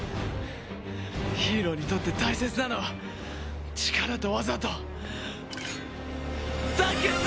ヒーローにとって大切なのは力と技と団結だ！